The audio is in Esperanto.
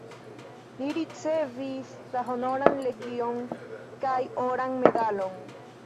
Li ricevis la Honoran legion kaj oran medalon.